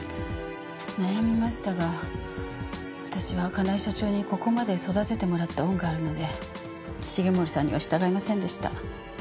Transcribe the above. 悩みましたが私は香奈恵社長にここまで育ててもらった恩があるので重森さんには従いませんでした。